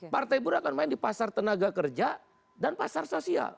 partai buruh akan main di pasar tenaga kerja dan pasar sosial